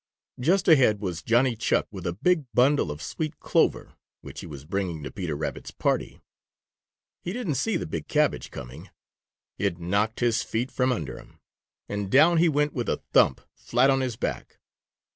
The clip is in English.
Just ahead was Johnny Chuck with a big bundle of sweet clover, which he was bringing to Peter Rabbit's party. He didn't see the big cabbage coming. It knocked his feet from under him, and down he went with a thump, flat on his back.